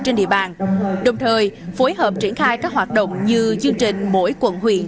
trên địa bàn đồng thời phối hợp triển khai các hoạt động như chương trình mỗi quận huyện